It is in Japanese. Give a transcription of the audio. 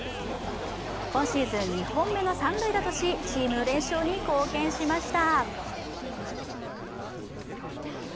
今シーズン２本目の三塁打としチーム連勝に貢献しました。